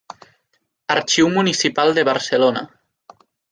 Arxiu Municipal de Barcelona.